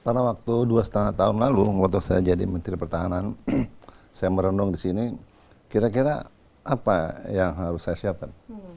pada waktu dua lima tahun lalu waktu saya jadi menteri pertahanan saya merenung di sini kira kira apa yang harus saya siapkan